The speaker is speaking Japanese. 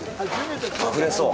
あふれそう！